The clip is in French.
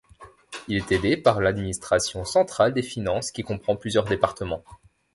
Il est aidé par l'administration centrale des finances qui comprend plusieurs départements.